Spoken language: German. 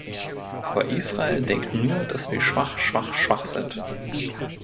Aber Israel denkt nur, dass wir schwach, schwach, schwach sind.